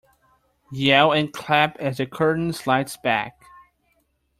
Yell and clap as the curtain slides back.